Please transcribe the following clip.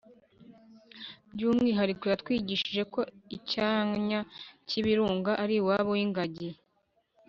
By’umwihariko yatwigishije ko icyanya Cy’ibirunga ari iwabo w’ingagi